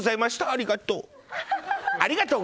ありがとう。